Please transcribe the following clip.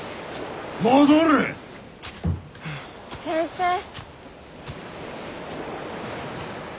先生。